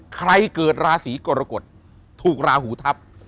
เกิดราศีกรกฎถูกราหูทับ